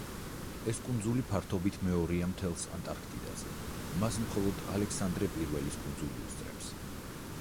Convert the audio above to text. ეს კუნძული ფართობით მეორეა მთელს ანტარქტიდაზე, მას მხოლოდ ალექსანდრე პირველის კუნძული უსწრებს.